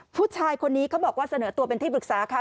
ผู้ชายคนนี้เขาบอกว่าเสนอตัวเป็นที่ปรึกษาค่ะ